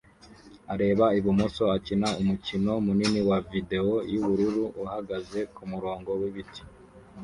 areba ibumoso akina umukino munini wa videwo yubururu uhagaze kumurongo wibiti